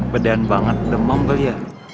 beden banget demam kali ya